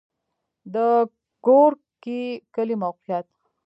د ګورکي کلی موقعیت